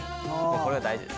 これが大事ですね。